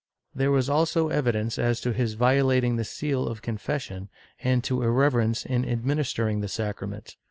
There was also evidence as to his violating the seal of confession, and to irreve rence in administering the sacrament.